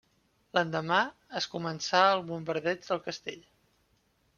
L'endemà es començà el bombardeig del castell.